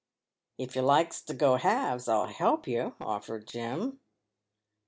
" If you likes to go halves, I'll help you," offered Jim.